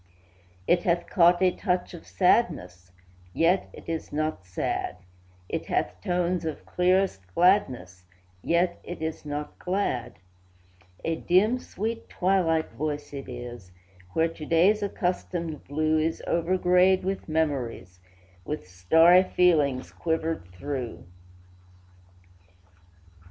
It hath caught a touch of sadness, Yet it is not sad; It hath tones of clearest gladness, Yet it is not glad; A dim, sweet, twilight voice it is Where to day's accustomed blue Is over grayed with memories, With starry feelings quivered through.